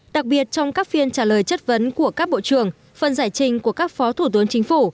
đặc biệt trong các phiên trả lời chất vấn của các bộ trưởng phần giải trình của các phó thủ tướng chính phủ